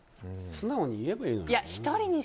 素直に言えばいいのに。